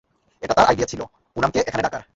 এটা তার আইডিয়া ছিলো, পুনামকে এখানে ডাকার।